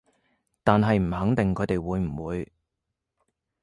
但係唔肯定佢哋會唔會